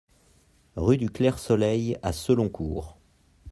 Rue du Clair Soleil à Seloncourt